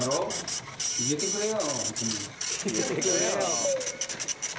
「“入れてくれよぉ”」